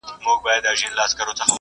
زه سينه سپين نه کوم؟!